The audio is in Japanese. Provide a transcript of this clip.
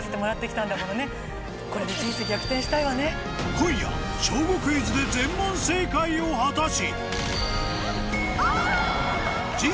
今夜『小５クイズ』で全問正解を果たし